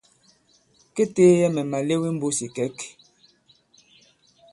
Kê teeyɛ mɛ̀ màlew i mbūs ì ìkɛ̌k.